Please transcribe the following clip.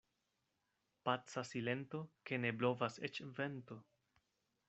Paca silento, ke ne blovas eĉ vento.